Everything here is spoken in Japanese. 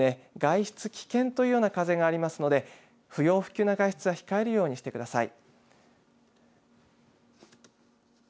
特にきょういっぱいですね外出危険というような風がありますので不要不急の外出は控えるようにしてください。